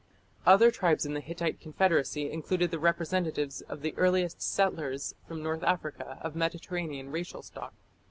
Other tribes in the Hittite confederacy included the representatives of the earliest settlers from North Africa of Mediterranean racial stock.